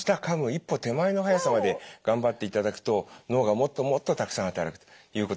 一歩手前の速さまで頑張っていただくと脳がもっともっとたくさん働くということが研究で分かってます。